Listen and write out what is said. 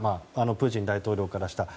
プーチン大統領からしたら。